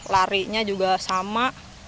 larinya juga sama